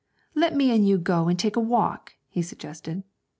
'Let me and you go and take a walk,' he suggested.